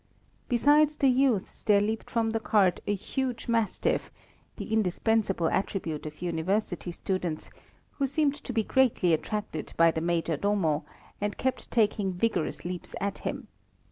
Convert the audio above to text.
Besides the youths, there leaped from the cart a huge mastiff, the indispensable attribute of University students, who seemed to be greatly attracted by the Major Domo, and kept taking vigorous leaps at him.